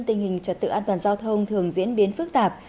tình hình trật tự an toàn giao thông thường diễn biến phức tạp